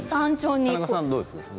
田中さん、どうですか？